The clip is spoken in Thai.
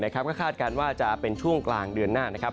ก็คาดการณ์ว่าจะเป็นช่วงกลางเดือนหน้านะครับ